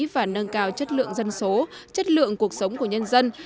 và nâng cao chất lượng dân số chất lượng cuộc sống của nhân dân